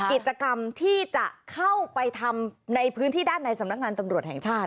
กิจกรรมที่จะเข้าไปทำในพื้นที่ด้านในสำนักงานตำรวจแห่งชาติ